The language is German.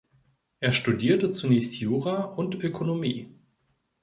Er studierte zunächst Jura und Ökonomie.